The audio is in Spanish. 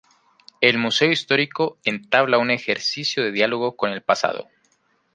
El Museo Histórico entabla un ejercicio de diálogo con el pasado.